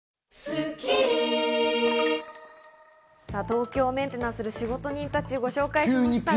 東京メンテナンスで仕事人たちをご紹介しました。